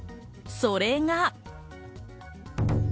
それが。